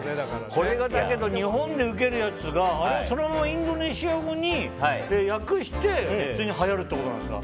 これがだけど日本でウケるやつがそれをインドネシア語に訳してはやるってことなんですか。